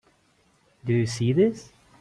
Do you see this?